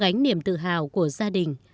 đó là những niềm tự hào của gia đình